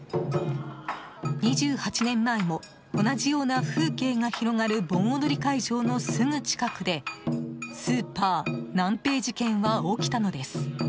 ２８年前も同じような風景が広がる盆踊り会場のすぐ近くでスーパーナンペイ事件は起きたのです。